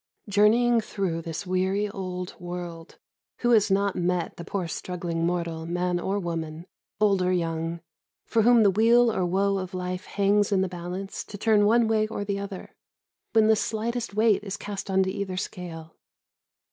Journeying through this weary old world, who has not met the poor struggling mortal, man or woman, old or young, for whom the weal or woe of life hangs in the balance, to turn one way or the other, when the slightest weight is cast into either scale?